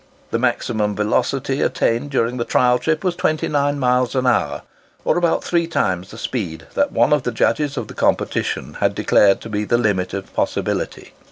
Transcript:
The maximum velocity attained during the trial trip was 29 miles an hour, or about three times the speed that one of the judges of the competition had declared to be the limit of possibility.